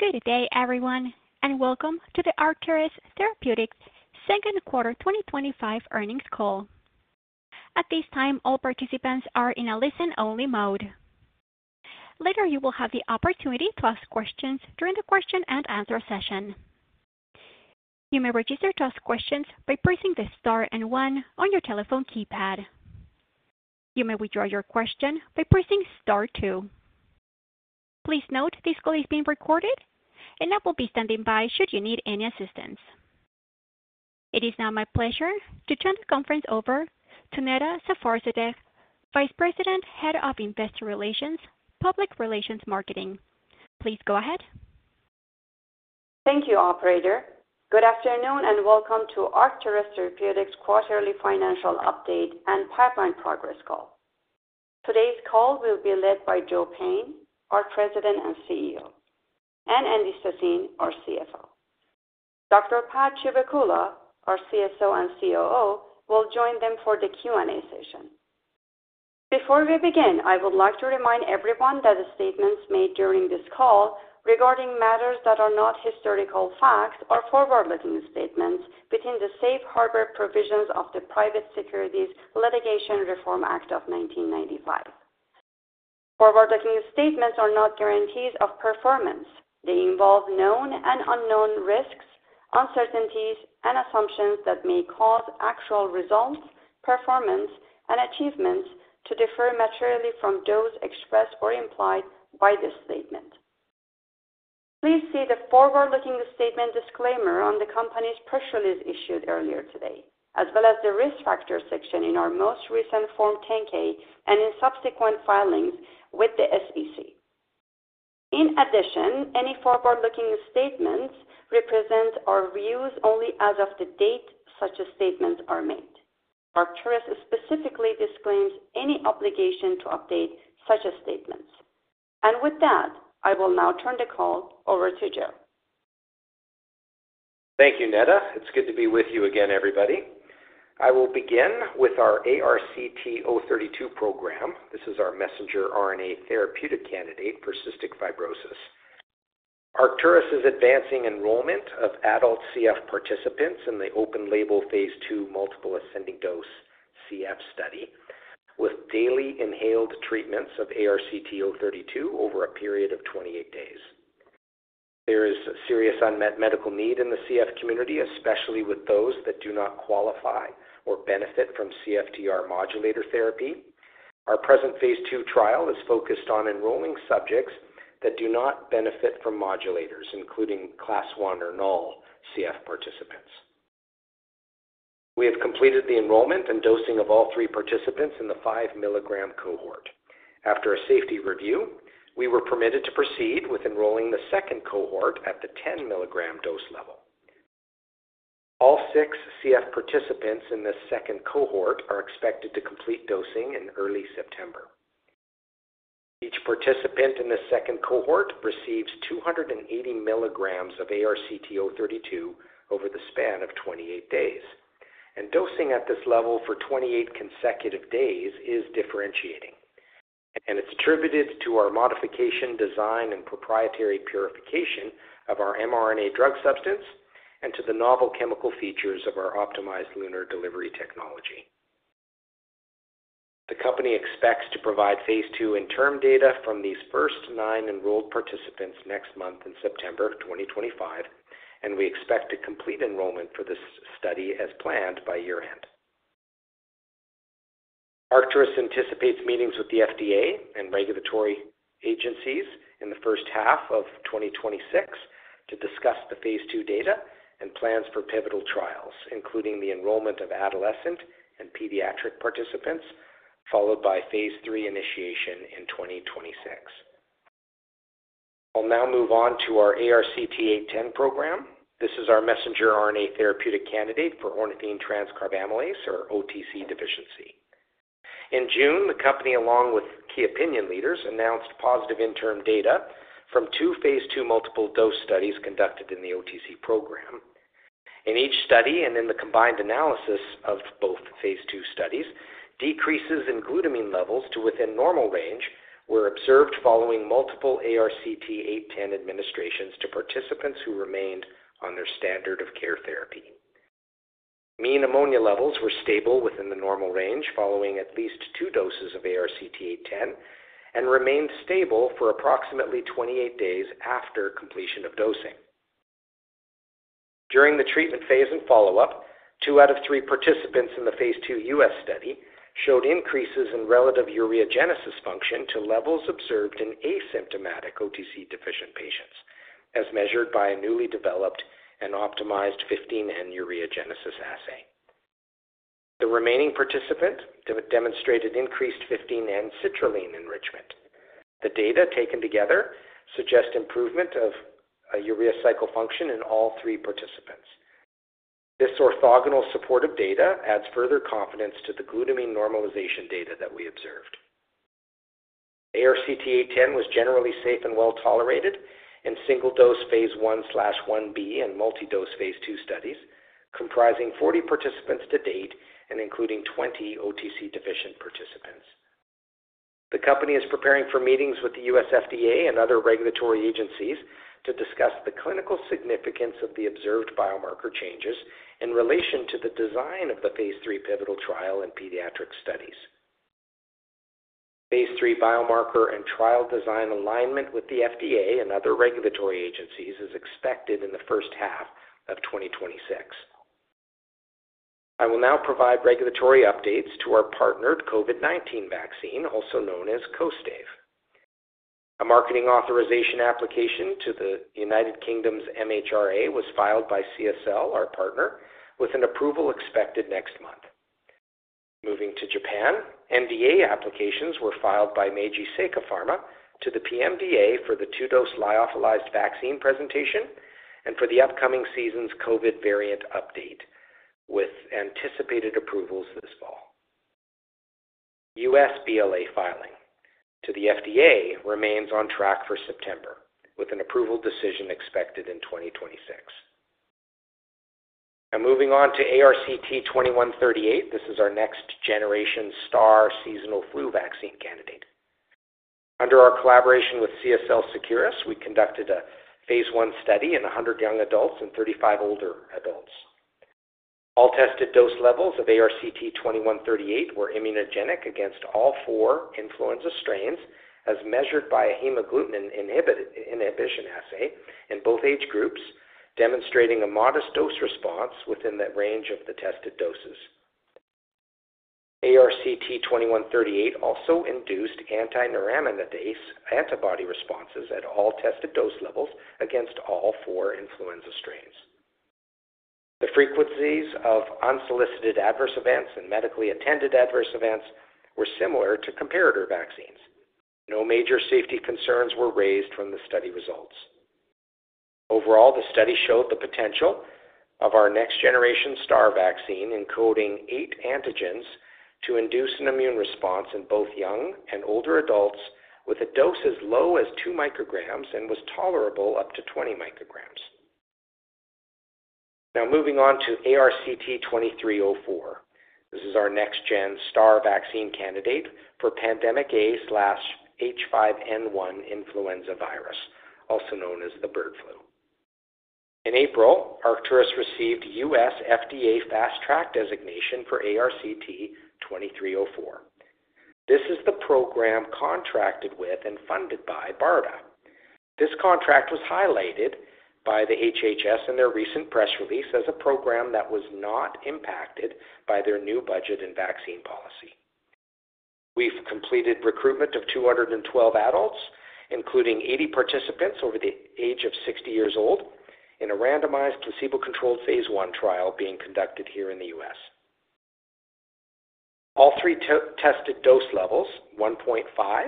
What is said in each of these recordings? Good day, everyone, and welcome to the Arcturus Therapeutics Second Quarter 2025 Earnings Call. At this time, all participants are in a listen-only mode. Later, you will have the opportunity to ask questions during the question and answer session. You may register to ask questions by pressing the star and one on your telephone keypad. You may withdraw your question by pressing star two. Please note this call is being recorded, and I will be standing by should you need any assistance. It is now my pleasure to turn the conference over to Neda Safarzadeh, Vice President, Head of Investor Relations, Public Relations Marketing. Please go ahead. Thank you, operator. Good afternoon and welcome to Arcturus Therapeutics' quarterly financial update and pipeline progress call. Today's call will be led by Joe Payne, our President and CEO, and Andy Sassine, our CFO. Dr. Pad Chivukula, our CSO and COO, will join them for the Q&A session. Before we begin, I would like to remind everyone that the statements made during this call regarding matters that are not historical facts are forward-looking statements within the safe harbor provisions of the Private Securities Litigation Reform Act of 1995. Forward-looking statements are not guarantees of performance. They involve known and unknown risks, uncertainties, and assumptions that may cause actual results, performance, and achievements to differ materially from those expressed or implied by this statement. Please see the forward-looking statement disclaimer on the company's press release issued earlier today, as well as the risk factor section in our most recent Form 10-K and in subsequent filings with the SEC. In addition, any forward-looking statements represent our views only as of the date such statements are made. Arcturus specifically disclaims any obligation to update such statements. I will now turn the call over to Joe. Thank you, Neda. It's good to be with you again, everybody. I will begin with our ARCT-032 program. This is our messenger RNA therapeutic candidate for cystic fibrosis. Arcturus is advancing enrollment of adult CF participants in the open-label phase II multiple ascending dose CF study with daily inhaled treatments of ARCT-032 over a period of 28 days. There is a serious unmet medical need in the CF community, especially with those that do not qualify or benefit from CFTR modulator therapy. Our present phase II trial is focused on enrolling subjects that do not benefit from modulators, including class I/null CF participants. We have completed the enrollment and dosing of all three participants in the 5 mg cohort. After a safety review, we were permitted to proceed with enrolling the second cohort at the 10 mg dose level. All six CF participants in this second cohort are expected to complete dosing in early September. Each participant in the second cohort receives 280 mg of ARCT-032 over the span of 28 days. Dosing at this level for 28 consecutive days is differentiating, and it's attributed to our modification, design, and proprietary purification of our mRNA drug substance and to the novel chemical features of our optimized LUNAR delivery technology. The company expects to provide phase II interim data from these first nine enrolled participants next month in September 2025, and we expect a complete enrollment for this study as planned by year-end. Arcturus anticipates meetings with the FDA and regulatory agencies in the first half of 2026 to discuss the phase II data and plans for pivotal trials, including the enrollment of adolescent and pediatric participants, followed by phase III initiation in 2026. I'll now move on to our ARCT-810 program. This is our messenger RNA therapeutic candidate for ornithine transcarbamylase (OTC) deficiency. In June, the company, along with key opinion leaders, announced positive interim data from two phase II multiple dose studies conducted in the OTC program. In each study and in the combined analysis of both phase II studies, decreases in glutamine levels to within normal range were observed following multiple ARCT-810 administrations to participants who remained on their standard-of-care therapy. Mean ammonia levels were stable within the normal range following at least two doses of ARCT-810 and remained stable for approximately 28 days after completion of dosing. During the treatment phase and follow-up, two out of three participants in the phase II U.S. study showed increases in relative ureagenesis function to levels observed in asymptomatic OTC deficient patients, as measured by a newly developed and optimized 15N ureagenesis assay. The remaining participant demonstrated increased 15N citrulline enrichment. The data taken together suggest improvement of urea cycle function in all three participants. This orthogonal supportive data adds further confidence to the glutamine normalization data that we observed. ARCT-810 was generally safe and well tolerated in single-dose phase I/I-B and multi-dose phase II studies, comprising 40 participants to date and including 20 OTC deficient participants. The company is preparing for meetings with the U.S. FDA and other regulatory agencies to discuss the clinical significance of the observed biomarker changes in relation to the design of the phase III pivotal trial and pediatric studies. Phase III biomarker and trial design alignment with the FDA and other regulatory agencies is expected in the first half of 2026. I will now provide regulatory updates to our partner, the COVID-19 vaccine, also known as KOSTAIVE. A marketing authorization application to the United Kingdom's MHRA was filed by CSL, our partner, with an approval expected next month. Moving to Japan, NDA applications were filed by Meiji Seika Pharma to the PMDA for the two-dose lyophilized vaccine presentation and for the upcoming season's COVID variant update, with anticipated approvals this fall. U.S. BLA filing to the FDA remains on track for September, with an approval decision expected in 2026. Moving on to ARCT-2138, this is our next generation STARR seasonal flu vaccine candidate. Under our collaboration with CSL Seqirus, we conducted a phase I study in 100 young adults and 35 older adults. All tested dose levels of ARCT-2138 were immunogenic against all four influenza strains, as measured by a hemagglutinin inhibition assay in both age groups, demonstrating a modest dose response within that range of the tested doses. ARCT-2138 also induced anti-neuraminidase antibody responses at all tested dose levels against all four influenza strains. The frequencies of unsolicited adverse events and medically attended adverse events were similar to comparator vaccines. No major safety concerns were raised from the study results. Overall, the study showed the potential of our next generation STARR vaccine encoding eight antigens to induce an immune response in both young and older adults with a dose as low as 2 µg and was tolerable up to 20 µg. Now moving on to ARCT-2304. This is our next-gen STARR vaccine candidate for pandemic A/H5N1 influenza virus, also known as the bird flu. In April, Arcturus received U.S. FDA fast-track designation for ARCT-2304. This is the program contracted with and funded by BARDA. This contract was highlighted by the HHS in their recent press release as a program that was not impacted by their new budget and vaccine policy. We've completed recruitment of 212 adults, including 80 participants over the age of 60 years old, in a randomized placebo-controlled phase I trial being conducted here in the U.S. All three tested dose levels, 1.5 µg, 5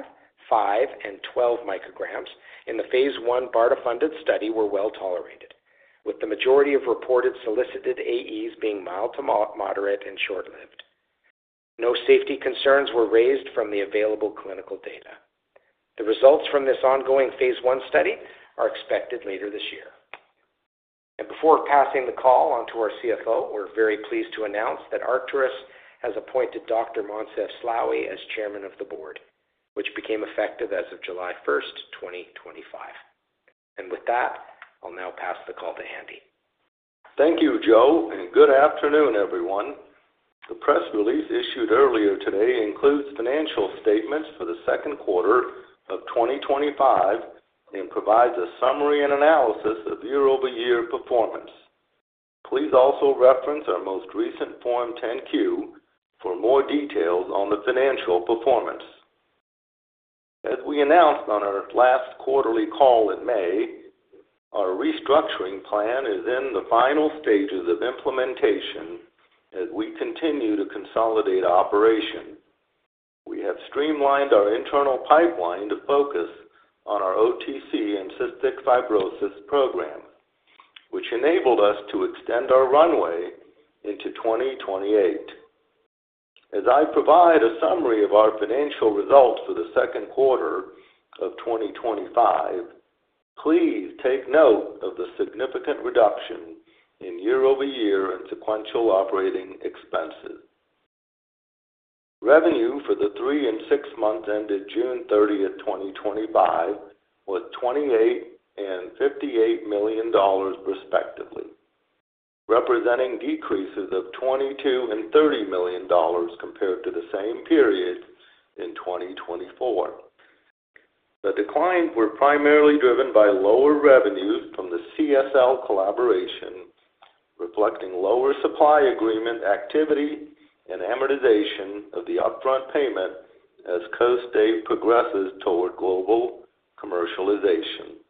µg, and 12 µg in the phase I BARDA-funded study, were well tolerated, with the majority of reported solicited AEs being mild to moderate and short-lived. No safety concerns were raised from the available clinical data. The results from this ongoing phase I study are expected later this year. Before passing the call onto our CFO, we're very pleased to announce that Arcturus has appointed Dr. Moncef Slaoui as Chairman of the Board, which became effective as of July 1st, 2025. With that, I'll now pass the call to Andy. Thank you, Joe, and good afternoon, everyone. The press release issued earlier today includes financial statements for the second quarter of 2025 and provides a summary and analysis of year-over-year performance. Please also reference our most recent Form 10-Q for more details on the financial performance. As we announced on our last quarterly call in May, our restructuring plan is in the final stages of implementation as we continue to consolidate operations. We have streamlined our internal pipeline to focus on our OTC and cystic fibrosis program, which enabled us to extend our cash runway into 2028. As I provide a summary of our financial results for the second quarter of 2025, please take note of the significant reduction in year-over-year and sequential operating expenses. Revenue for the three and six months ended June 30th, 2025, was $28 million and $58 million, respectively, representing decreases of $22 million and $30 million compared to the same period in 2024. The declines were primarily driven by lower revenue from the CSL collaboration, reflecting lower supply agreement activity and amortization of the upfront payment as KOSTAIVE progresses toward global commercialization.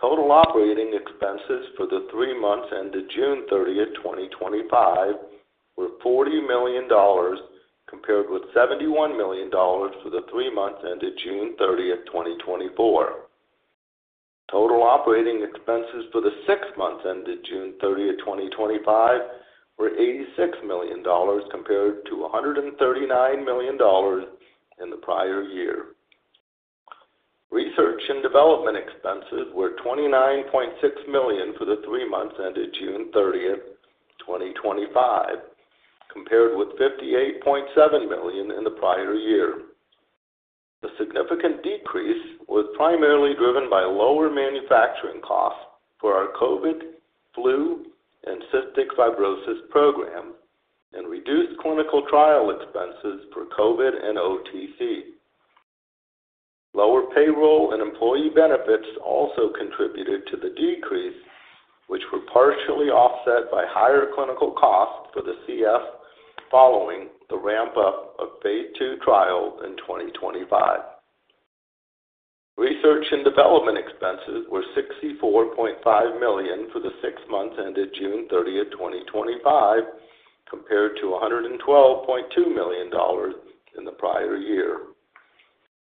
Total operating expenses for the three months ended June 30th, 2025, were $40 million compared with $71 million for the three months ended June 30th, 2024. Total operating expenses for the six months ended June 30th, 2025, were $86 million compared to $139 million in the prior year. Research and development expenses were $29.6 million for the three months ended June 30th, 2025, compared with $58.7 million in the prior year. The significant decrease was primarily driven by lower manufacturing costs for our COVID, flu, and cystic fibrosis program and reduced clinical trial expenses for COVID and OTC. Lower payroll and employee benefits also contributed to the decrease, which were partially offset by higher clinical costs for the CF following the ramp-up of phase II trial in 2025. Research and development expenses were $64.5 million for the six months ended June 30th, 2025, compared to $112.2 million in the prior year.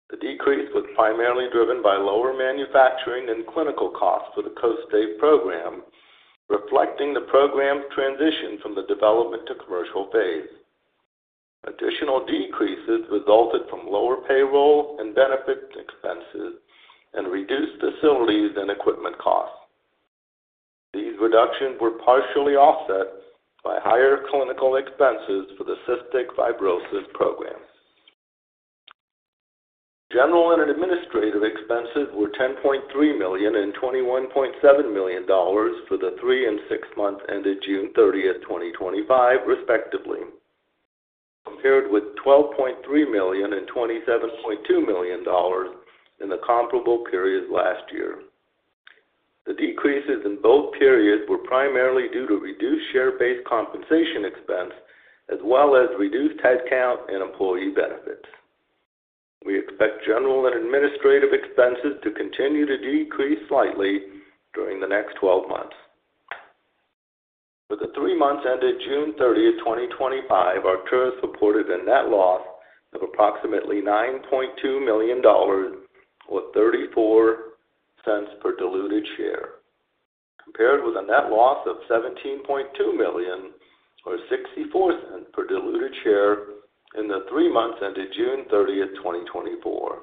The decrease was primarily driven by lower manufacturing and clinical costs for the KOSTAIVE program, reflecting the program's transition from the development to commercial phase. Additional decreases resulted from lower payroll and benefits expenses and reduced facilities and equipment costs. These reductions were partially offset by higher clinical expenses for the cystic fibrosis programs. General and administrative expenses were $10.3 million and $21.7 million for the three and six months ended June 30th, 2025, respectively, compared with $12.3 million and $27.2 million in the comparable period last year. The decreases in both periods were primarily due to reduced share-based compensation expense, as well as reduced headcount and employee benefits. We expect general and administrative expenses to continue to decrease slightly during the next 12 months. For the three months ended June 30th, 2025, Arcturus reported a net loss of approximately $9.2 million, or $0.34 per diluted share, compared with a net loss of $17.2 million, or $0.64 per diluted share in the three months ended June 30th, 2024.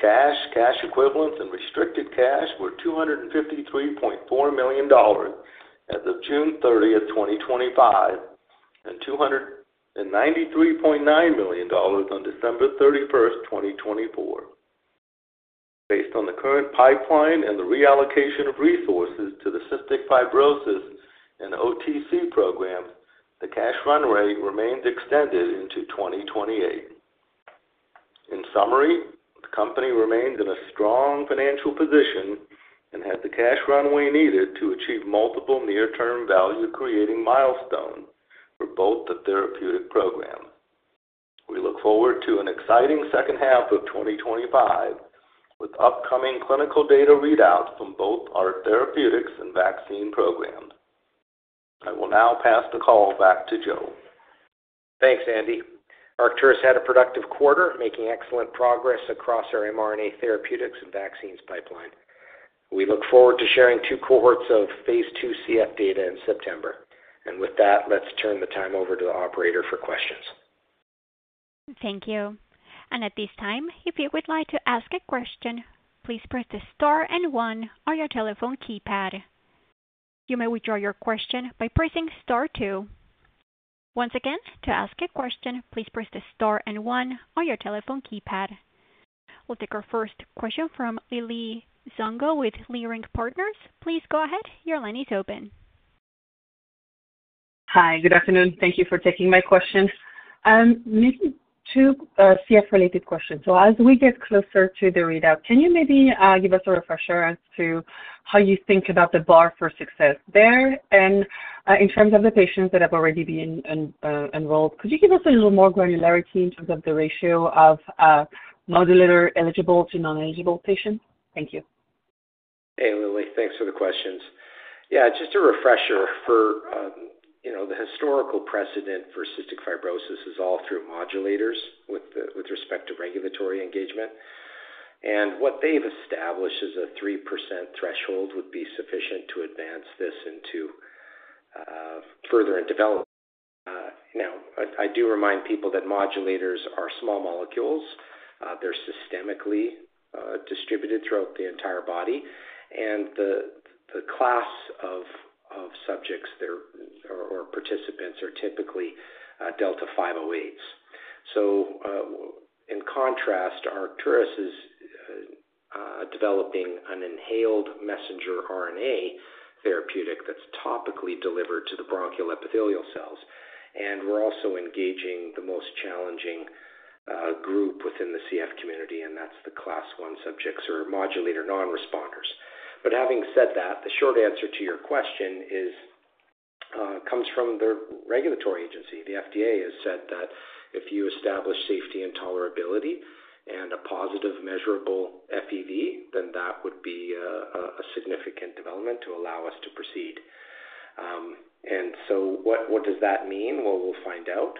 Cash, cash equivalents, and restricted cash were $253.4 million as of June 30th, 2025, and $293.9 million on December 31st, 2024. Based on the current pipeline and the reallocation of resources to the cystic fibrosis and OTC programs, the cash runway remains extended into 2028. In summary, the company remains in a strong financial position and has the cash runway needed to achieve multiple near-term value-creating milestones for both the therapeutic program. We look forward to an exciting second half of 2025 with upcoming clinical data readouts from both our therapeutics and vaccine programs. I will now pass the call back to Joe. Thanks, Andy. Arcturus had a productive quarter, making excellent progress across our mRNA therapeutics and vaccines pipeline. We look forward to sharing two cohorts of phase II CF data in September. With that, let's turn the time over to the operator for questions. Thank you. At this time, if you would like to ask a question, please press the star and one on your telephone keypad. You may withdraw your question by pressing star two. Once again, to ask a question, please press the star and one on your telephone keypad. We'll take our first question from Lili Nsongo with Leerink Partners. Please go ahead. Your line is open. Hi. Good afternoon. Thank you for taking my question. Maybe two CF-related questions. As we get closer to the readout, can you give us a refresher as to how you think about the bar for success there? In terms of the patients that have already been enrolled, could you give us a little more granularity in terms of the ratio of modulator eligible to non-eligible patients? Thank you. Hey, Lili. Thanks for the questions. Yeah, just a refresher for the historical precedent for cystic fibrosis is all through modulators with respect to regulatory engagement. What they've established as a 3% threshold would be sufficient to advance this into further development. I do remind people that modulators are small molecules. They're systemically distributed throughout the entire body. The class of subjects or participants are typically ΔF508s. In contrast, Arcturus is developing an inhaled messenger RNA therapeutic that's topically delivered to the bronchial epithelial cells. We're also engaging the most challenging group within the CF community, and that's the class I subjects or modulator non-responders. Having said that, the short answer to your question comes from the regulatory agency. The FDA has said that if you establish safety and tolerability and a positive measurable FEV, that would be a significant development to allow us to proceed. What does that mean? We'll find out.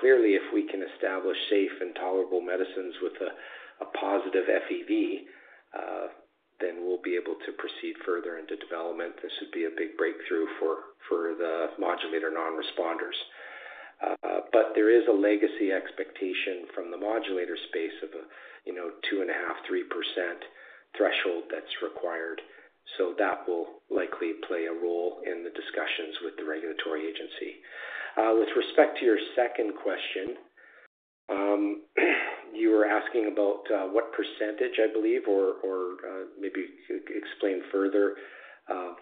Clearly, if we can establish safe and tolerable medicines with a positive FEV, then we'll be able to proceed further into development. This would be a big breakthrough for the modulator non-responders. There is a legacy expectation from the modulator space of a 2.5%-3% threshold that's required. That will likely play a role in the discussions with the regulatory agency. With respect to your second question, you were asking about what percentage, I believe, or maybe explain further of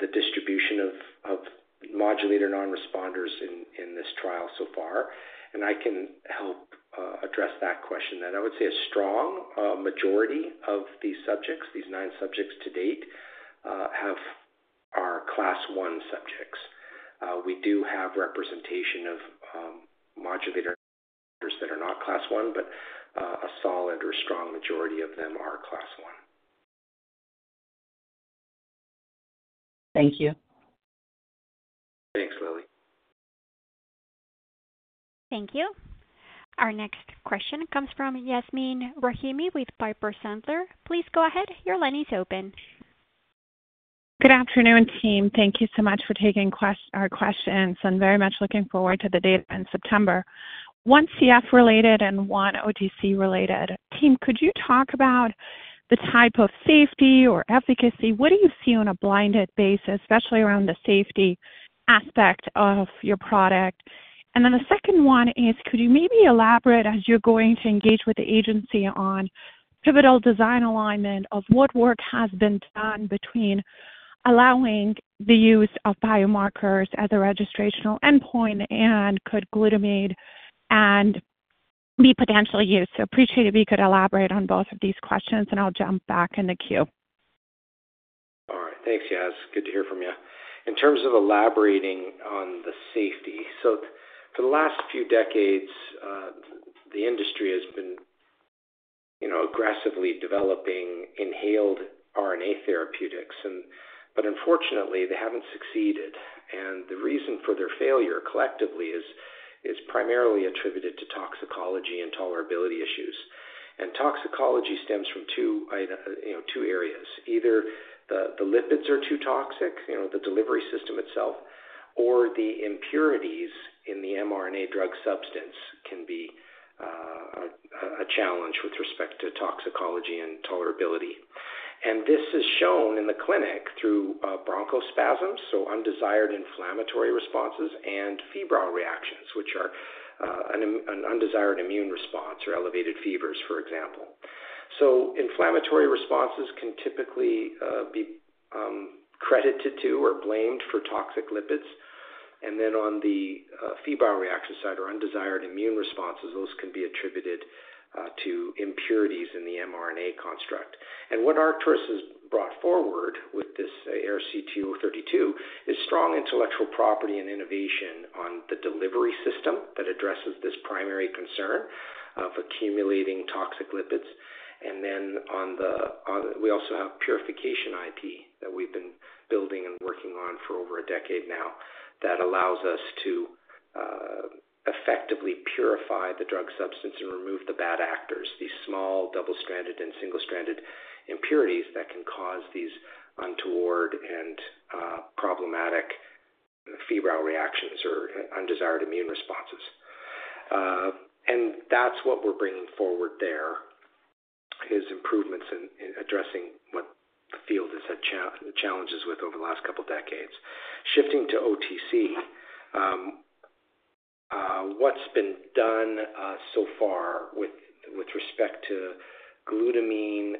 the distribution of modulator non-responders in this trial so far. I can help address that question. I would say a strong majority of these subjects, these nine subjects to date, are class I subjects. We do have representation of modulators that are not class I, but a solid or strong majority of them are class I. Thank you. Thanks, Lili. Thank you. Our next question comes from Yasmeen Rahimi with Piper Sandler. Please go ahead. Your line is open. Good afternoon, team. Thank you so much for taking our questions. I'm very much looking forward to the date in September. One CF-related and one OTC-related. Team, could you talk about the type of safety or efficacy? What do you see on a blinded basis, especially around the safety aspect of your product? The second one is, could you maybe elaborate as you're going to engage with the agency on pivotal design alignment of what work has been done between allowing the use of biomarkers as a registrational endpoint and could glutamate be potential use? I appreciate if you could elaborate on both of these questions, and I'll jump back in the queue. All right. Thanks, Yas. Good to hear from you. In terms of elaborating on the safety, for the last few decades, the industry has been aggressively developing inhaled RNA therapeutics. Unfortunately, they haven't succeeded. The reason for their failure collectively is primarily attributed to toxicology and tolerability issues. Toxicology stems from two areas. Either the lipids are too toxic, the delivery system itself, or the impurities in the mRNA drug substance can be a challenge with respect to toxicology and tolerability. This is shown in the clinic through bronchospasms, undesired inflammatory responses, and febrile reactions, which are an undesired immune response or elevated fevers, for example. Inflammatory responses can typically be credited to or blamed for toxic lipids. On the febrile reaction side or undesired immune responses, those can be attributed to impurities in the mRNA construct. What Arcturus has brought forward with this ARCT-032 is strong intellectual property and innovation on the delivery system that addresses this primary concern of accumulating toxic lipids. We also have purification IP that we've been building and working on for over a decade now that allows us to effectively purify the drug substance and remove the bad actors, these small double-stranded and single-stranded impurities that can cause these untoward and problematic febrile reactions or undesired immune responses. That's what we're bringing forward there, improvements in addressing what the field has had challenges with over the last couple of decades. Shifting to OTC, what's been done so far with respect to glutamine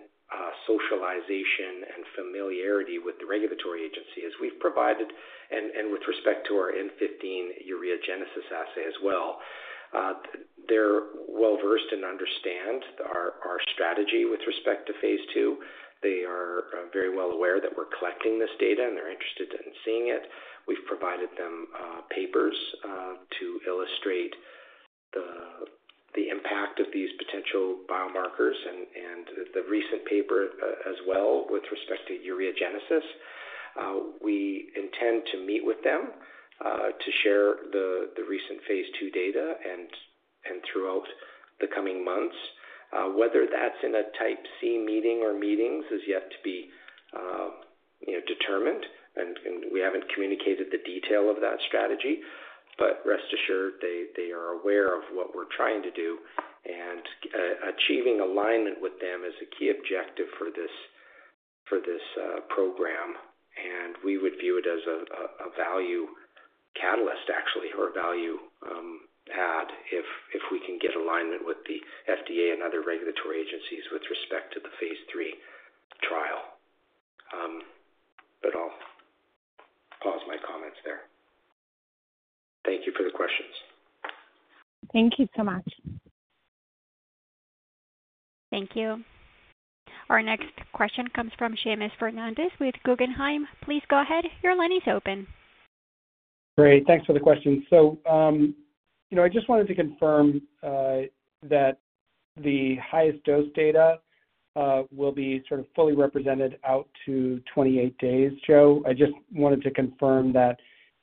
socialization and familiarity with the regulatory agency is we've provided, and with respect to our N15 ureagenesis assay as well, they're well versed and understand our strategy with respect to phase II. They are very well aware that we're collecting this data and they're interested in seeing it. We've provided them papers to illustrate the impact of these potential biomarkers and the recent paper as well with respect to ureagenesis. We intend to meet with them to share the recent phase II data throughout the coming months. Whether that's in a type C meeting or meetings is yet to be determined, and we haven't communicated the detail of that strategy. Rest assured, they are aware of what we're trying to do, and achieving alignment with them is a key objective for this program. We would view it as a value catalyst, actually, or a value add if we can get alignment with the FDA and other regulatory agencies with respect to the phase III trial. I'll pause my comments there. Thank you for the questions. Thank you so much. Thank you. Our next question comes from Seamus Fernandez with Guggenheim. Please go ahead. Your line is open. Thanks for the question. I just wanted to confirm that the highest dose data will be fully represented out to 28 days, Joe. I just wanted to confirm that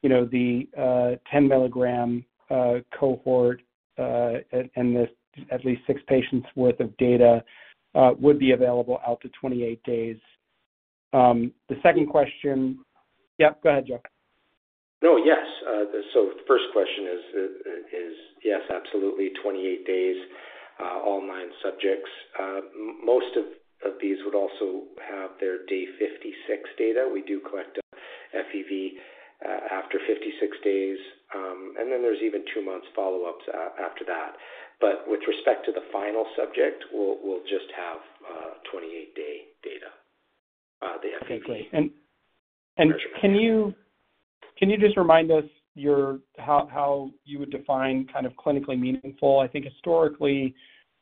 the 10 mg cohort, and this at least six patients' worth of data, would be available out to 28 days. The second question, yeah, go ahead, Joe. Oh, yes. The first question is, yes, absolutely, 28 days, all nine subjects. Most of these would also have their day 56 data. We do collect a FEV after 56 days, and then there's even two-month follow-ups after that. With respect to the final subject, we'll just have 28-day data. Exactly. Can you just remind us how you would define kind of clinically meaningful? I think historically,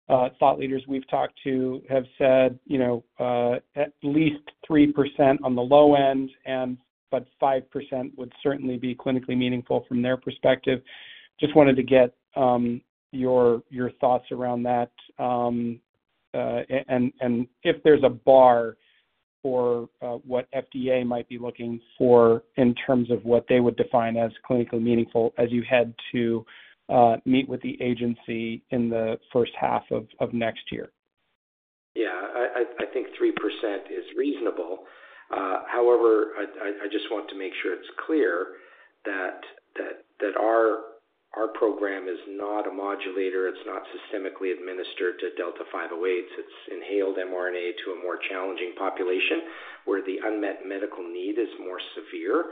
thought leaders we've talked to have said at least 3% on the low end, and 5% would certainly be clinically meaningful from their perspective. Just wanted to get your thoughts around that, and if there's a bar for what FDA might be looking for in terms of what they would define as clinically meaningful as you had to meet with the agency in the first half of next year. Yeah, I think 3% is reasonable. However, I just want to make sure it's clear that our program is not a modulator. It's not systemically administered to ΔF508s. It's inhaled mRNA to a more challenging population where the unmet medical need is more severe.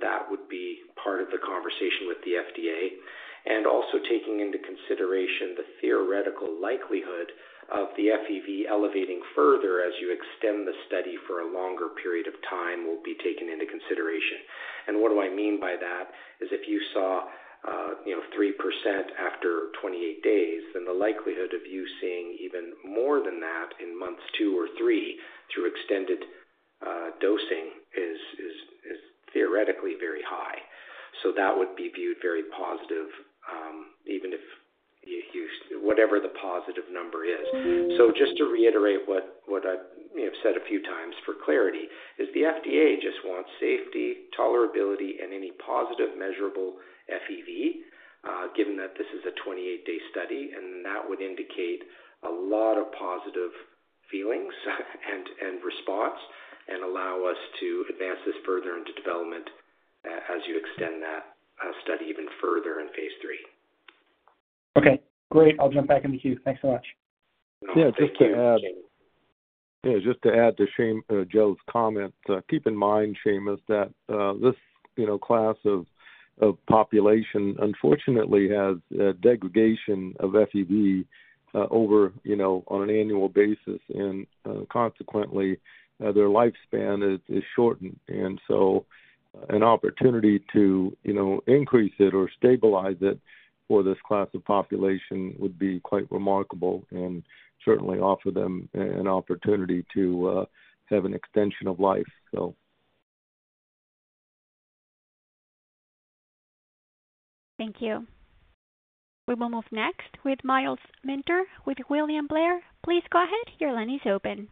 That would be part of the conversation with the FDA. Also, taking into consideration the theoretical likelihood of the FEV elevating further as you extend the study for a longer period of time will be taken into consideration. What I mean by that is if you saw, you know, 3% after 28 days, then the likelihood of you seeing even more than that in months two or three through extended dosing is theoretically very high. That would be viewed very positive, even if you use whatever the positive number is. Just to reiterate what I have said a few times for clarity, the FDA just wants safety, tolerability, and any positive measurable FEV, given that this is a 28-day study, and that would indicate a lot of positive feelings and response and allow us to advance this further into development as you extend that study even further in phase III. Okay. Great. I'll jump back in the queue. Thanks so much. Yeah, just to add to Joe's comments, keep in mind, Seamus, that this class of population, unfortunately, has a degradation of FEV over an annual basis. Consequently, their lifespan is shortened. An opportunity to increase it or stabilize it for this class of population would be quite remarkable and certainly offer them an opportunity to have an extension of life. Thank you. We will move next with Myles Minter with William Blair. Please go ahead. Your line is open.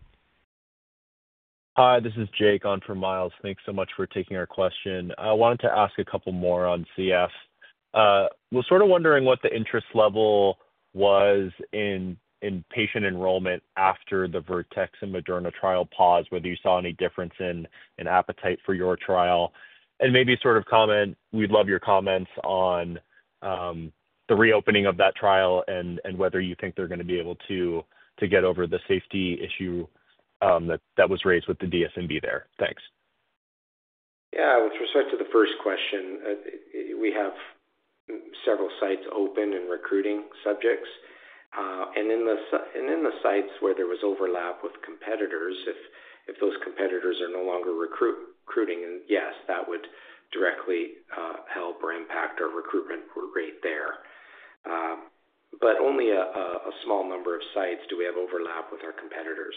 Hi. This is Jake on for Myles. Thanks so much for taking our question. I wanted to ask a couple more on CF. We're sort of wondering what the interest level was in patient enrollment after the Vertex and Moderna trial pause, whether you saw any difference in appetite for your trial. Maybe comment, we'd love your comments on the reopening of that trial and whether you think they're going to be able to get over the safety issue that was raised with the DSMB there. Thanks. Yeah, with respect to the first question, we have several sites open and recruiting subjects. In the sites where there was overlap with competitors, if those competitors are no longer recruiting, yes, that would directly help or impact our recruitment rate there. Only a small number of sites do we have overlap with our competitors.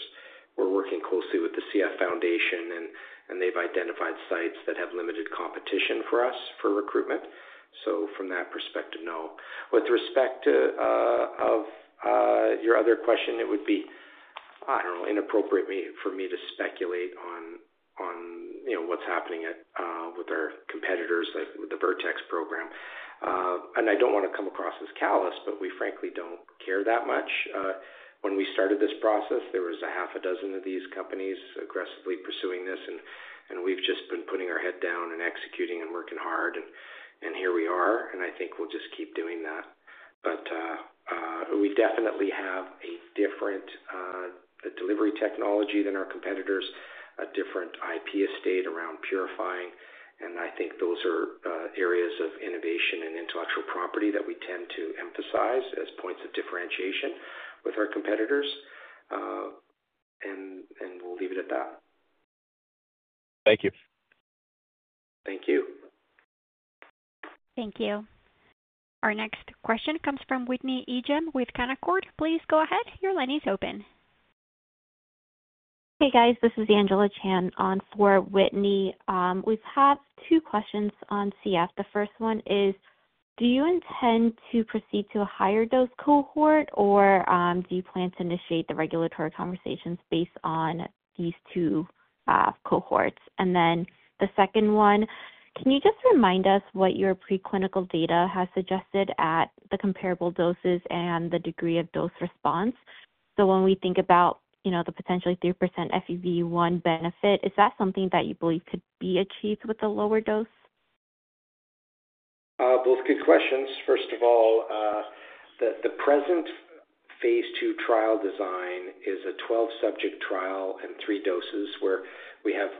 We're working closely with the CF Foundation, and they've identified sites that have limited competition for us for recruitment. From that perspective, no. With respect to your other question, it would be inappropriate for me to speculate on what's happening with our competitors, like with the Vertex program. I don't want to come across as callous, but we frankly don't care that much. When we started this process, there was a half a dozen of these companies aggressively pursuing this, and we've just been putting our head down and executing and working hard. Here we are, and I think we'll just keep doing that. We definitely have a different delivery technology than our competitors, a different IP estate around purifying. I think those are areas of innovation and intellectual property that we tend to emphasize as points of differentiation with our competitors. We'll leave it at that. Thank you. Thank you. Thank you. Our next question comes from Whitney Ijem with Canaccord. Please go ahead. Your line is open. Hey, guys. This is Angela Qian on for Whitney. We've had two questions on CF. The first one is, do you intend to proceed to a higher dose cohort, or do you plan to initiate the regulatory conversations based on these two cohorts? The second one, can you just remind us what your preclinical data has suggested at the comparable doses and the degree of dose response? When we think about, you know, the potentially 3% FEV1 benefit, is that something that you believe could be achieved with a lower dose? Those are good questions. First of all, the present phase II trial design is a 12-subject trial and three doses where we have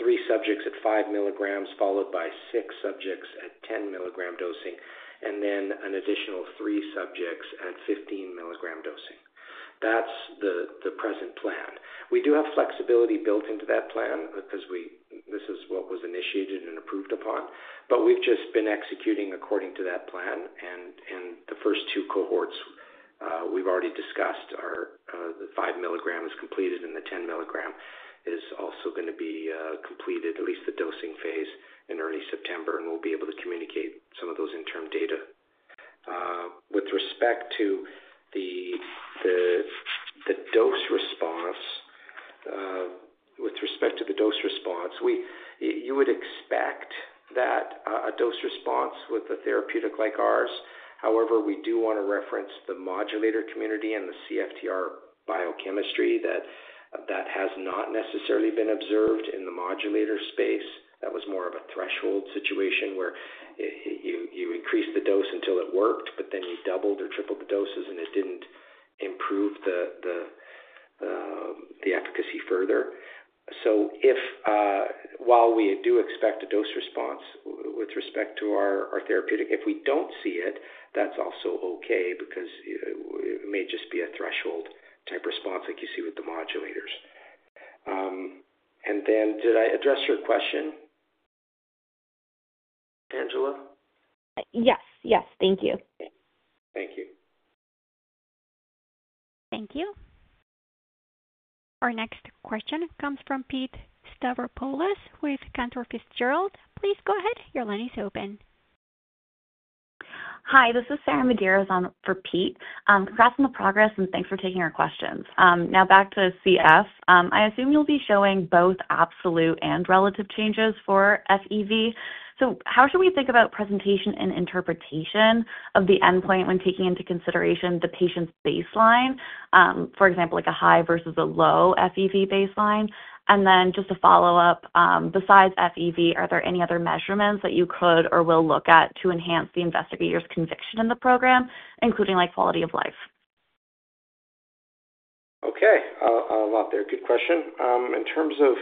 three subjects at 5 mg followed by six subjects at 10 mg dosing, and then an additional three subjects at 15 mg dosing. That's the present plan. We do have flexibility built into that plan because this is what was initiated and approved upon. We've just been executing according to that plan. In the first two cohorts, we've already discussed the 5 mg is completed, and the 10 mg is also going to be completed, at least the dosing phase, in early September. We'll be able to communicate some of those interim data. With respect to the dose response, you would expect a dose response with a therapeutic like ours. However, we do want to reference the modulator community and the CFTR biochemistry that has not necessarily been observed in the modulator space. That was more of a threshold situation where you increased the dose until it worked, but then you doubled or tripled the doses, and it didn't improve the efficacy further. If, while we do expect a dose response with respect to our therapeutic, if we don't see it, that's also okay because it may just be a threshold type response like you see with the modulators. Did I address your question, Angela? Yes. Yes. Thank you. Thank you. Thank you. Our next question comes from Pete Stavropoulos with Cantor Fitzgerald. Please go ahead. Your line is open. Hi. This is Sarah Medeiros on for Pete. Congrats on the progress, and thanks for taking our questions. Now back to CF. I assume you'll be showing both absolute and relative changes for FEV. How should we think about presentation and interpretation of the endpoint when taking into consideration the patient's baseline, for example, like a high versus a low FEV baseline? Besides FEV, are there any other measurements that you could or will look at to enhance the investigator's conviction in the program, including like quality of life? Okay. Good question. In terms of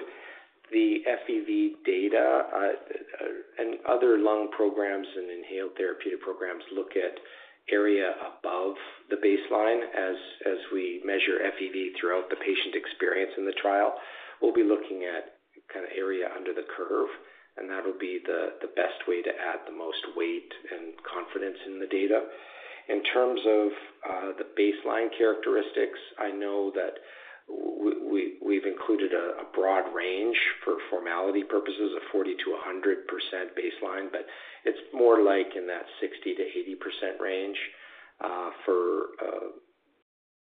the FEV data, and other lung programs and inhaled therapeutic programs, look at area above the baseline as we measure FEV throughout the patient experience in the trial. We'll be looking at kind of area under the curve, and that'll be the best way to add the most weight and confidence in the data. In terms of the baseline characteristics, I know that we've included a broad range for formality purposes of 40%-100% baseline, but it's more like in that 60%-80% range for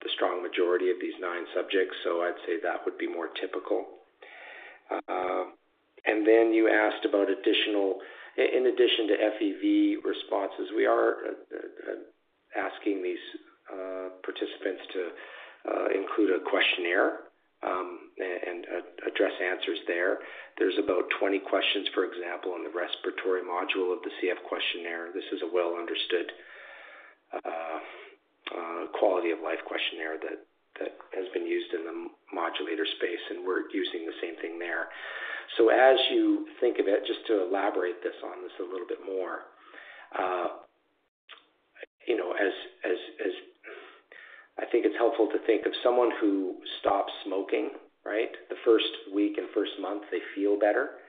the strong majority of these nine subjects. I'd say that would be more typical. You asked about additional, in addition to FEV responses, we are asking these participants to include a questionnaire and address answers there. There's about 20 questions, for example, on the respiratory module of the CF questionnaire. This is a well-understood quality of life questionnaire that has been used in the modulator space, and we're using the same thing there. As you think of it, just to elaborate on this a little bit more, I think it's helpful to think of someone who stops smoking, right? The first week and first month, they feel better,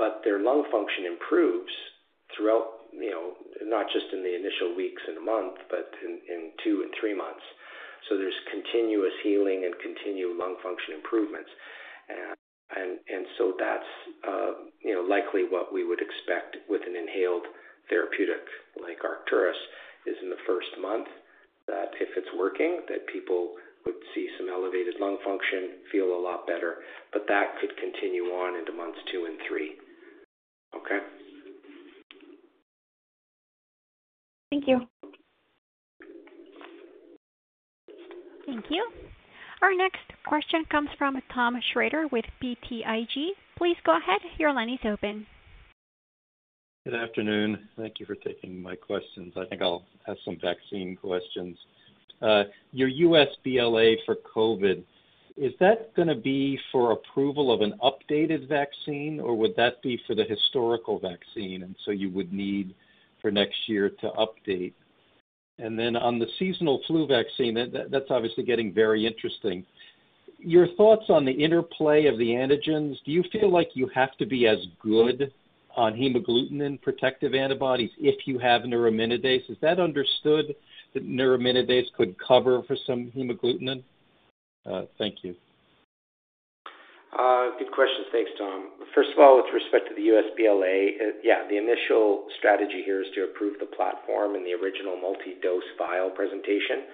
but their lung function improves throughout, not just in the initial weeks and a month, but in two and three months. There's continuous healing and continued lung function improvements. That's likely what we would expect with an inhaled therapeutic like Arcturus is in the first month that if it's working, people would see some elevated lung function, feel a lot better. That could continue on into months two and three. Okay. Thank you. Thank you. Our next question comes from Thomas Shrader with BTIG. Please go ahead. Your line is open. Good afternoon. Thank you for taking my questions. I think I'll ask some vaccine questions. Your U.S. BLA for COVID, is that going to be for approval of an updated vaccine, or would that be for the historical vaccine? You would need for next year to update. On the seasonal flu vaccine, that's obviously getting very interesting. Your thoughts on the interplay of the antigens, do you feel like you have to be as good on hemagglutinin protective antibodies if you have neuraminidase? Is that understood that neuraminidase could cover for some hemagglutinin? Thank you. Good question. Thanks, Tom. First of all, with respect to the U.S. BLA, yeah, the initial strategy here is to approve the platform and the original multi-dose vial presentation.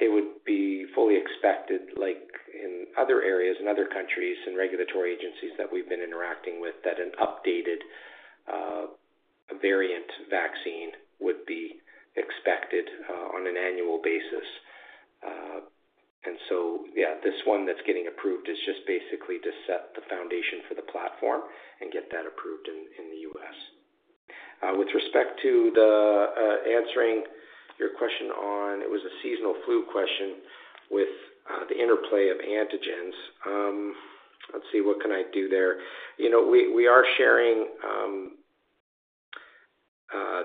It would be fully expected, like in other areas and other countries and regulatory agencies that we've been interacting with, that an updated variant vaccine would be expected on an annual basis. This one that's getting approved is just basically to set the foundation for the platform and get that approved in the U.S. With respect to answering your question on the seasonal flu question with the interplay of antigens, let's see, what can I do there? We are sharing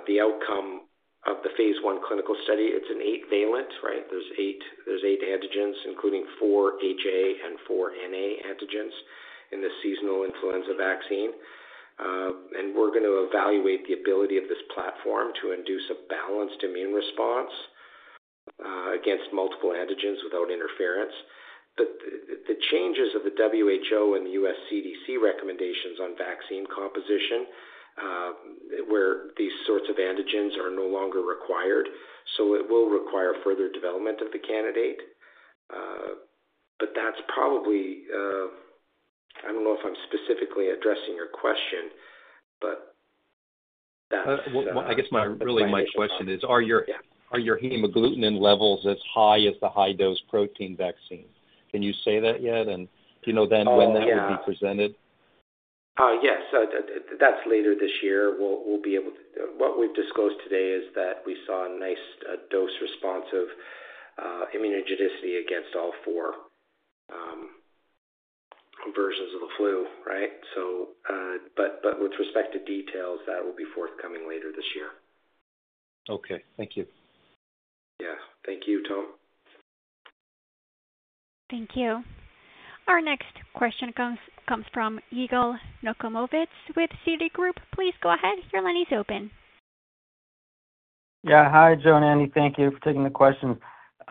the outcome of the phase I clinical study. It's an eight-valent, right? There's eight antigens, including four HA and four NA antigens in this seasonal influenza vaccine. We're going to evaluate the ability of this platform to induce a balanced immune response against multiple antigens without interference. The changes of the WHO and the U.S. CDC recommendations on vaccine composition, where these sorts of antigens are no longer required, so it will require further development of the candidate. That's probably, I don't know if I'm specifically addressing your question, but that's what. I guess my question is, are your hemagglutinin levels as high as the high-dose protein vaccine? Can you say that yet? Do you know when that would be presented? Yes, that's later this year. What we've disclosed today is that we saw a nice dose-responsive immunogenicity against all four versions of the flu, right? With respect to details, that will be forthcoming later this year. Okay. Thank you. Yeah, thank you, Tom. Thank you. Our next question comes from Yigal Nochomovitz with Citigroup. Please go ahead. Your line is open. Yeah. Hi, Joe and Andy, thank you for taking the question.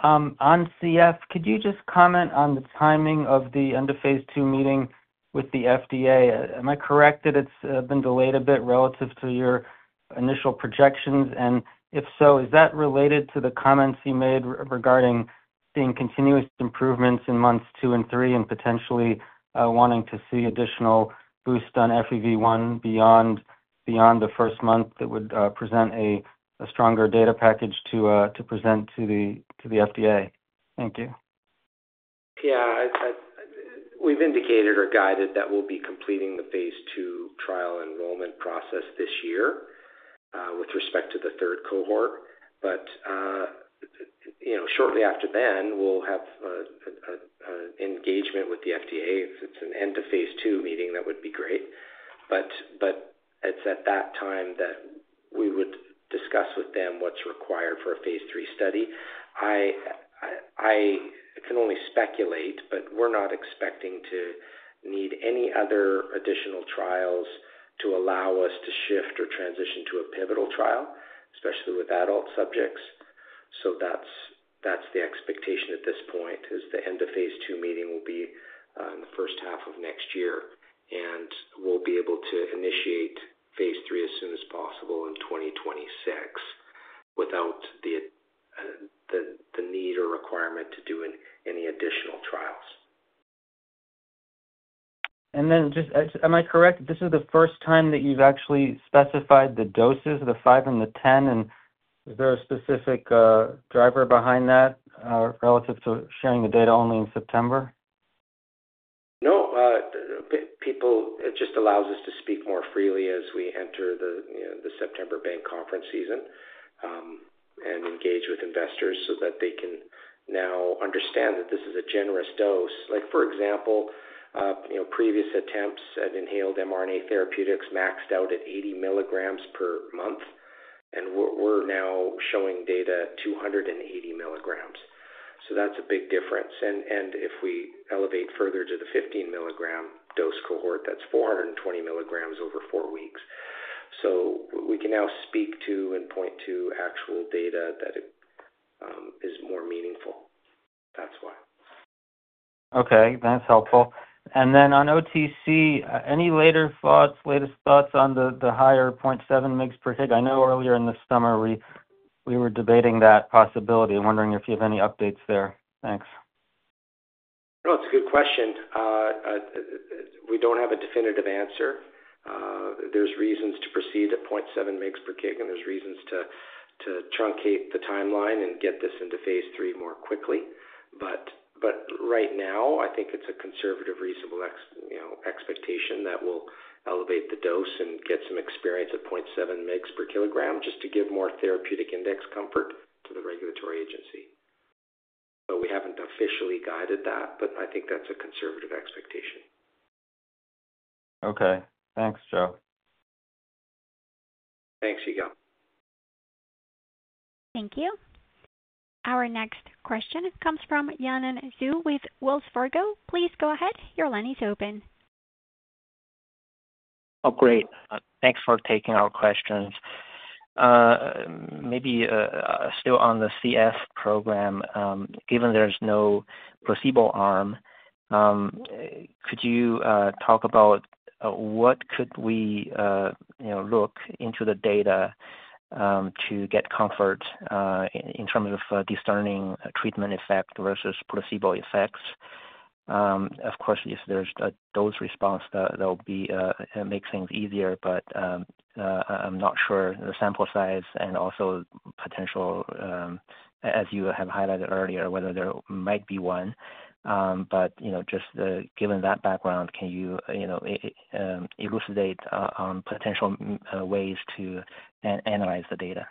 On CF, could you just comment on the timing of the end of phase II meeting with the FDA? Am I correct that it's been delayed a bit relative to your initial projections? If so, is that related to the comments you made regarding seeing continuous improvements in months two and three and potentially wanting to see additional boost on FEV1 beyond the first month that would present a stronger data package to present to the FDA? Thank you. Yeah. We've indicated or guided that we'll be completing the phase II trial enrollment process this year with respect to the third cohort. Shortly after then, we'll have an engagement with the FDA. If it's an end-of-phase-II meeting, that would be great. It's at that time that we would discuss with them what's required for a phase III study. I can only speculate, but we're not expecting to need any other additional trials to allow us to shift or transition to a pivotal trial, especially with adult subjects. The expectation at this point is the end-of-phase-II meeting will be in the first half of next year. We'll be able to initiate phase III as soon as possible in 2026 without the need or requirement to do any additional trials. Am I correct? This is the first time that you've actually specified the doses, the 5 mg and the 10 mg. Is there a specific driver behind that relative to sharing the data only in September? No. It just allows us to speak more freely as we enter the September bank conference season and engage with investors so that they can now understand that this is a generous dose. For example, previous attempts at inhaled mRNA therapeutics maxed out at 80 mg per month, and we're now showing data 280 mg. That's a big difference. If we elevate further to the 15 mg dose cohort, that's 420 mg over four weeks. We can now speak to and point to actual data that is more meaningful. That's why. Okay. That's helpful. On OTC, any latest thoughts on the higher 0.7 mg/kg? I know earlier in the summer, we were debating that possibility. I'm wondering if you have any updates there. Thanks. It's a good question. We don't have a definitive answer. There's reasons to proceed at 0.7 mg/kg, and there's reasons to truncate the timeline and get this into phase I more quickly. Right now, I think it's a conservative, reasonable expectation that we'll elevate the dose and get some experience at 0.7 mg/kg just to give more therapeutic index comfort to the regulatory agency. We haven't officially guided that, but I think that's a conservative expectation. Okay. Thanks, Joe. Thanks, Yigal. Thank you. Our next question comes from Yanan Zhu with Wells Fargo. Please go ahead. Your line is open. Oh, great. Thanks for taking our questions. Maybe still on the CF program, given there's no placebo arm, could you talk about what could we look into the data to get comfort in terms of discerning treatment effect versus placebo effects? Of course, if there's a dose response, that would make things easier. I'm not sure the sample size and also potential, as you have highlighted earlier, whether there might be one. Just given that background, can you elucidate on potential ways to analyze the data?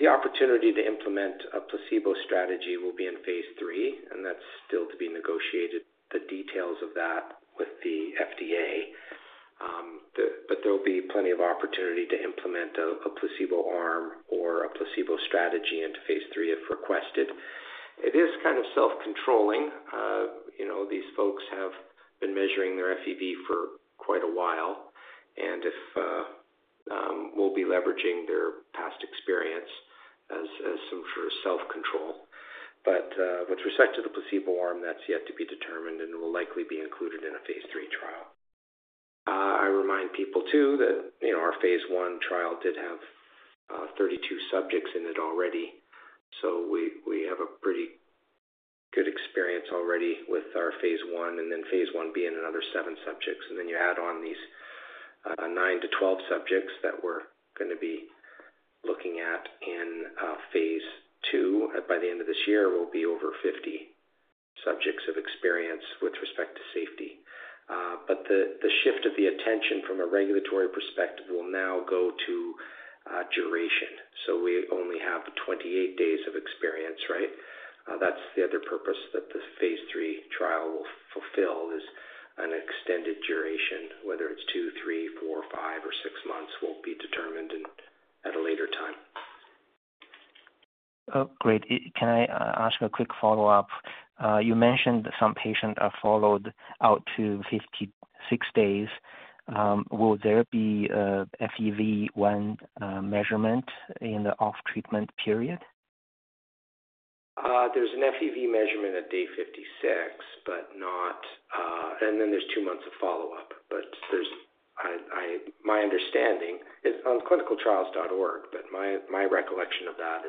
The opportunity to implement a placebo strategy will be in phase III, and that's still to be negotiated, the details of that with the FDA. There'll be plenty of opportunity to implement a placebo arm or a placebo strategy into phase III if requested. It is kind of self-controlling. You know, these folks have been measuring their FEV for quite a while, and we'll be leveraging their past experience as some sort of self-control. With respect to the placebo arm, that's yet to be determined, and it will likely be included in a phase III trial. I remind people too that our phase I trial did have 32 subjects in it already, so we have a pretty good experience already with our phase I, and then phase I being another 7 subjects. Then you add on these 9-12 subjects that we're going to be looking at in phase II. By the end of this year, we'll be over 50 subjects of experience with respect to safety. The shift of the attention from a regulatory perspective will now go to duration. We only have 28 days of experience, right? That's the other purpose that the phase III trial will fulfill, is an extended duration, whether it's two, three, four, five, or six months will be determined in. Oh, great. Can I ask a quick follow-up? You mentioned some patients are followed out to 56 days. Will there be FEV1 measurement in the off-treatment period? There's an FEV measurement at day 56, and then there's two months of follow-up. My understanding is on clinicaltrials.org, my recollection of that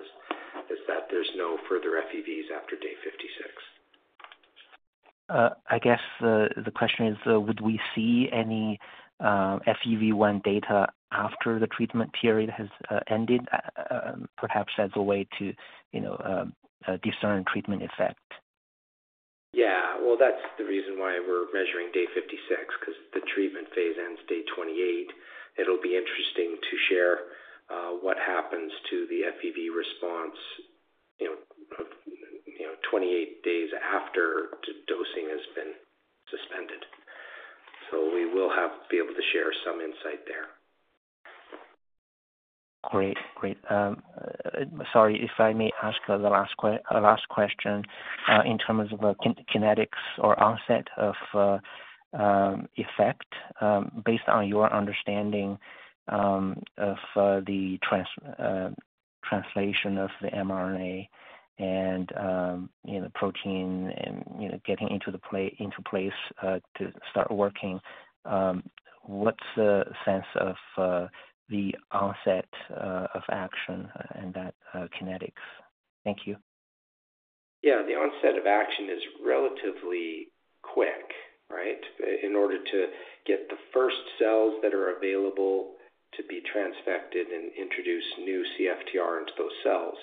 is that there's no further FEVs after day 56. I guess the question is, would we see any FEV1 data after the treatment period has ended, perhaps as a way to discern treatment effect? That's the reason why we're measuring day 56, because the treatment phase ends day 28. It'll be interesting to share what happens to the FEV response, you know, 28 days after the dosing has been suspended. We will have to be able to share some insight there. Great. Sorry, if I may ask the last question in terms of kinetics or onset of effect, based on your understanding of the translation of the mRNA and the protein and getting into place to start working, what's the sense of the onset of action and that kinetics? Thank you. Yeah. The onset of action is relatively quick, right, in order to get the first cells that are available to be transfected and introduce new CFTR into those cells.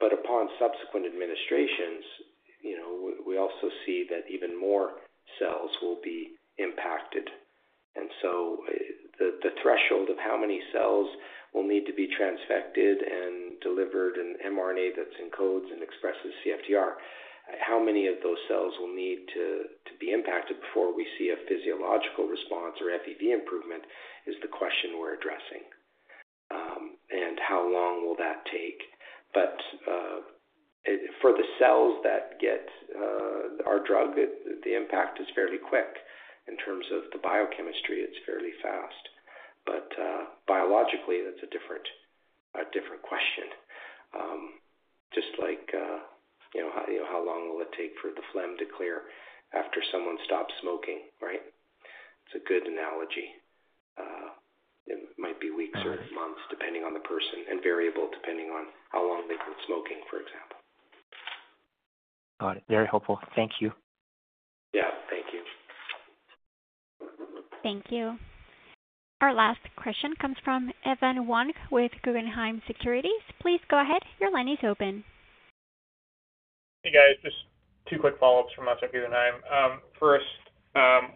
Upon subsequent administrations, we also see that even more cells will be impacted. The threshold of how many cells will need to be transfected and delivered in mRNA that encodes and expresses CFTR, how many of those cells will need to be impacted before we see a physiological response or FEV improvement is the question we're addressing. How long will that take? For the cells that get our drug, the impact is fairly quick. In terms of the biochemistry, it's fairly fast. Biologically, that's a different question. Just like, you know, how long will it take for the phlegm to clear after someone stops smoking, right? It's a good analogy. It might be weeks or months, depending on the person and variable depending on how long they've been smoking, for example. Got it. Very helpful. Thank you. Thank you. Thank you. Our last question comes from Evan Wang with Guggenheim Securities. Please go ahead. Your line is open. Hey, guys. Just two quick follow-ups from us at Guggenheim. First,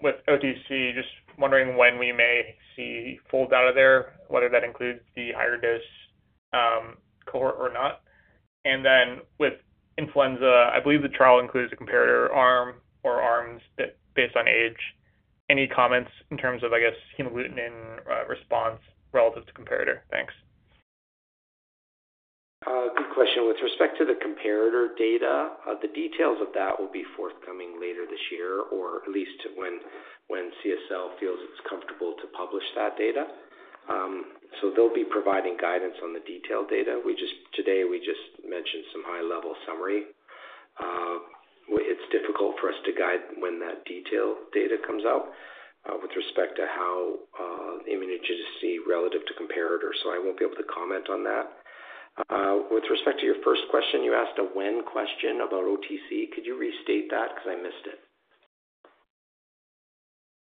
with OTC, just wondering when we may see full data there, whether that includes the higher dose cohort or not. With influenza, I believe the trial includes a comparator arm or arms based on age. Any comments in terms of, I guess, hemagglutinin response relative to comparator? Thanks. Good question. With respect to the comparator data, the details of that will be forthcoming later this year, or at least when CSL feels it's comfortable to publish that data. They'll be providing guidance on the detailed data. Today, we just mentioned some high-level summary. It's difficult for us to guide when that detailed data comes out with respect to how immunogenicity is relative to comparator. I won't be able to comment on that. With respect to your first question, you asked a when question about OTC. Could you restate that because I missed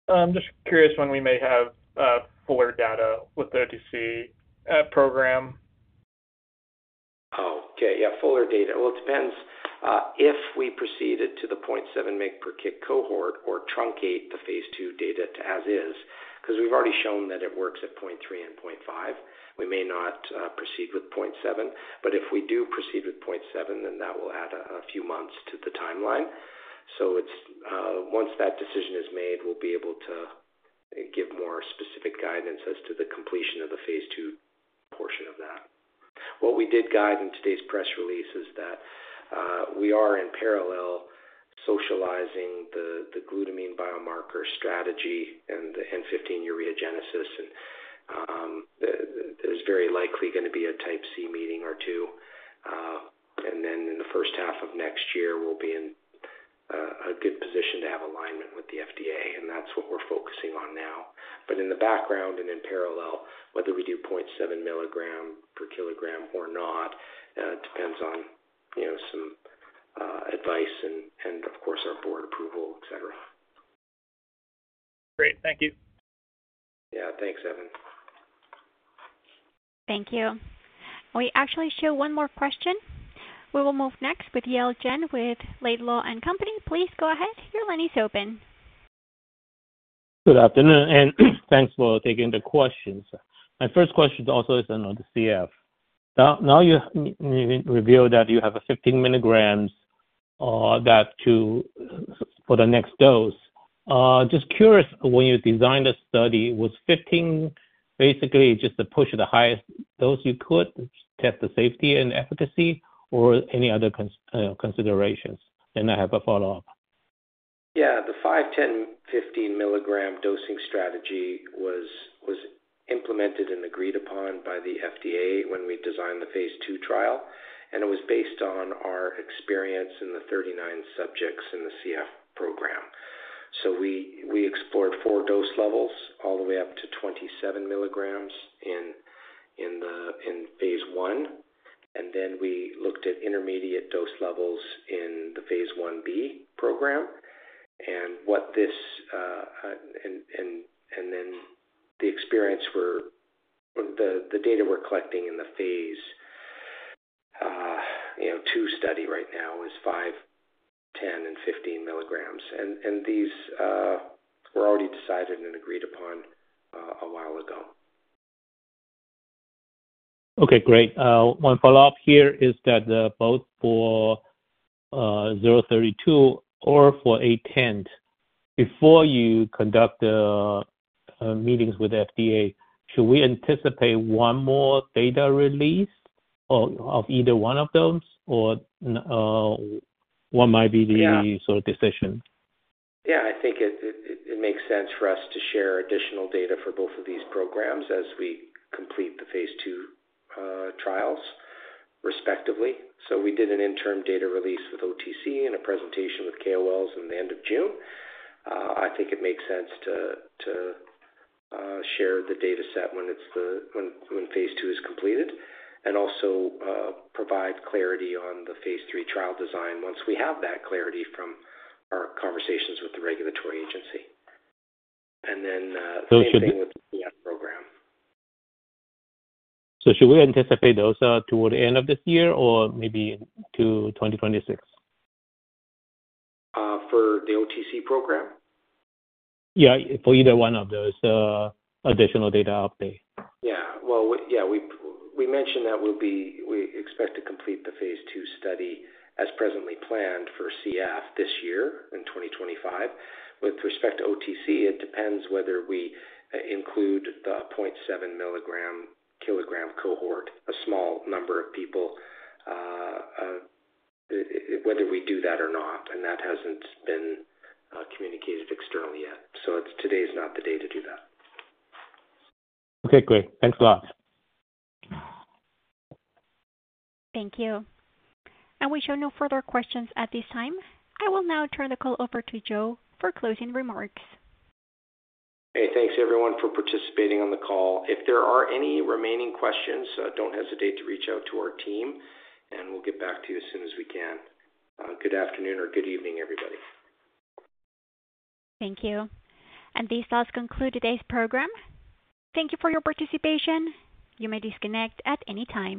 it? I'm just curious when we may have fuller data with the OTC program. Okay. Yeah, fuller data. It depends. If we proceeded to the 0.7 mg/kg cohort or truncate the phase II data to as is, because we've already shown that it works at 0.3 mg/kg and 0.5 mg/kg, we may not proceed with 0.7 mg/kg. If we do proceed with 0.7 mg/kg, that will add a few months to the timeline. Once that decision is made, we'll be able to give more specific guidance as to the completion of the phase II portion of that. What we did guide in today's press release is that we are in parallel socializing the glutamine biomarker strategy and the N15 ureagenesis. There is very likely going to be a type C meeting or two. In the first half of next year, we'll be in a good position to have alignment with the FDA. That's what we're focusing on now. In the background and in parallel, whether we do 0.7 mg/kg or not, it depends on some advice and, of course, our board approval, etc. Great. Thank you. Yeah, thanks, Evan. Thank you. We actually show one more question. We will move next with Yale Jen with Laidlaw & Company. Please go ahead. Your line is open. Good afternoon, and thanks for taking the questions. My first question also is on the CF. Now you revealed that you have 15 mg for the next dose. Just curious, when you designed the study, was 15 mg basically just to push the highest dose you could to test the safety and efficacy, or any other considerations? I have a follow-up. Yeah. The 5 mg, 10 mg, 15 mg dosing strategy was implemented and agreed upon by the FDA when we designed the phase II trial. It was based on our experience in the 39 subjects in the CF program. We explored four dose levels all the way up to 27 mg in phase I. We looked at intermediate dose levels in the phase I-B program. The experience where the data we're collecting in the phase II study right now is 5 mg, 10 mg, and 15 mg. These were already decided and agreed upon a while ago. Okay. Great. One follow-up here is that both for ARCT-032 or for ARCT-810, before you conduct the meetings with FDA, should we anticipate one more data release of either one of those, or what might be the sort of decision? Yeah, I think it makes sense for us to share additional data for both of these programs as we complete the phase II trials, respectively. We did an interim data release with OTC and a presentation with KOLs at the end of June. I think it makes sense to share the dataset when phase II is completed and also provide clarity on the phase III trial design once we have that clarity from our conversations with the regulatory agency. The same thing with the CF program. Should we anticipate those toward the end of this year or maybe to 2026? For the OTC program? Yeah, for either one of those additional data updates. Yeah, we mentioned that we expect to complete the phase II study as presently planned for CF this year in 2025. With respect to OTC, it depends whether we include the 0.7 mg/kg cohort, a small number of people, whether we do that or not. That hasn't been communicated externally yet. Today is not the day to do that. Okay, great. Thanks a lot. Thank you. We show no further questions at this time. I will now turn the call over to Joe for closing remarks. Hey, thanks, everyone, for participating on the call. If there are any remaining questions, don't hesitate to reach out to our team, and we'll get back to you as soon as we can. Good afternoon or good evening, everybody. Thank you. This does conclude today's program. Thank you for your participation. You may disconnect at any time.